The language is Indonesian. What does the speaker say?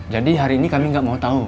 jadi hari ini kami gak mau tau